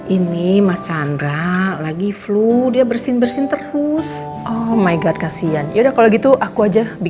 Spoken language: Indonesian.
ini mas calonnya itu kan apa